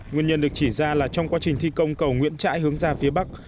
nguyên nhân được chỉ ra là trong quá trình thi công cầu nguyễn trãi hướng ra phía bắc